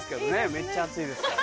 めっちゃ暑いですから。